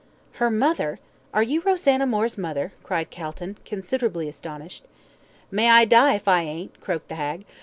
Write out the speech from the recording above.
"Her mother! Are you Rosanna Moore's mother?" cried Calton, considerably astonished. "May I die if I ain't," croaked the hag.